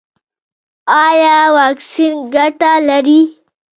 ایا واکسین ګټه لري؟